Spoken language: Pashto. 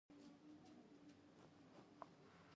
د پکتیکا په وازیخوا کې د تیلو نښې شته.